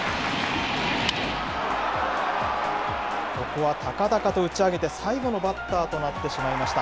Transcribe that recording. ここは高々と打ち上げて、最後のバッターとなってしまいました。